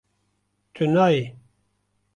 Tu nayê